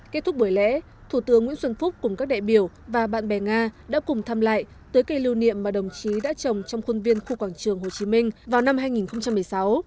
kết thúc buổi lễ thủ tướng nguyễn xuân phúc cùng các đại biểu và bạn bè nga đã cùng thăm lại tưới cây lưu niệm mà đồng chí đã trồng trong khuôn viên khu quảng trường hồ chí minh vào năm hai nghìn một mươi sáu